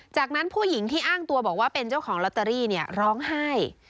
จากนั้นผู้หญิงที่อ้างตัวบอกว่าเป็นเจ้าของลอตเตอรี่ร้องไห้